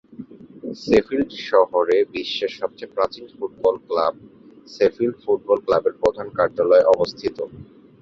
Sheffield শহরে বিশ্বের সবচেয়ে প্রাচীন ফুটবল ক্লাব শেফিল্ড ফুটবল ক্লাবের প্রধান কার্যালয় অবস্থিত।